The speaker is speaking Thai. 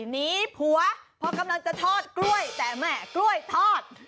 หนีผัวพอกำลังจะทอดกล้วยแต่แหม่กล้วยทอด